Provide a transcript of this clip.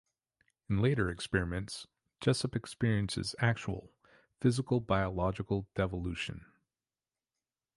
In later experiments, Jessup experiences actual, physical biological devolution.